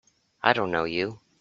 I don't know you!